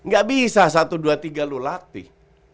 gak bisa satu dua tiga lu latih